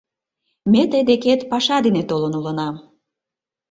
Ме тый декет паша дене толын улына.